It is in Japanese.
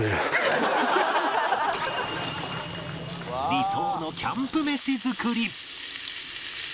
理想のキャンプ飯作り